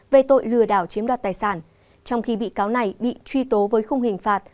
về tội lừa đảo chiếm đoạt tài sản trong khi bị cáo này bị truy tố với không hình phạt